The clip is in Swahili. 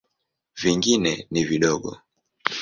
Vingine ni vidogo.